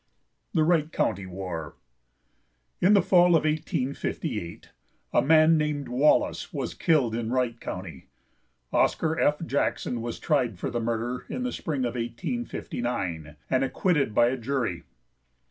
THE WRIGHT COUNTRY WAR. In the fall of 1858 a man named Wallace was killed in Wright county. Oscar F. Jackson was tried for the murder in the spring of 1859, and acquitted by a jury.